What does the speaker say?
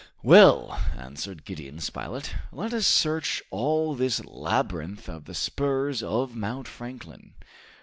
"Well!" answered Gideon Spilett, "let us search all this labyrinth of the spurs of Mount Franklin.